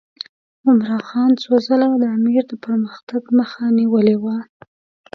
عمرا خان څو ځله د امیر د پرمختګ مخه نیولې وه.